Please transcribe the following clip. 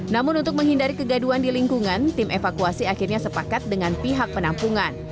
namun untuk menghindari kegaduan di lingkungan tim evakuasi akhirnya sepakat dengan pihak penampungan